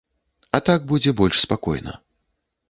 А так будзе больш спакойна.